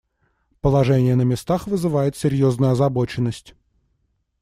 Положение на местах вызывает серьезную озабоченность.